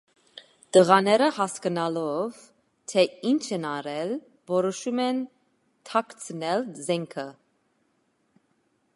Տղաները հասկանալով, թե ինչ են արել, որոշում են թաքցնել զենքը։